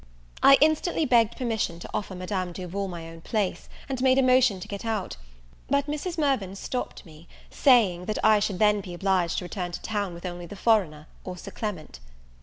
I instantly begged permission to offer Madame Duval my own place, and made a motion to get out; but Mrs. Mirvan stopped me, saying, that I should then be obliged to return to town with only the foreigner, or Sir Clement.